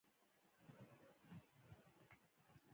لکه د ایران خلکو غوندې.